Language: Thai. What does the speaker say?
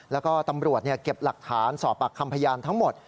แล้วก็ตำรวจเก็บหลักฐานสอบปากคำพยานทั้งหมด